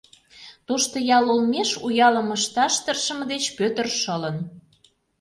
Тошто ял олмеш у ялым ышташ тыршыме деч Пӧтыр шылын.